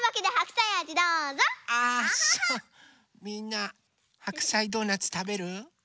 みんなはくさいドーナツたべる？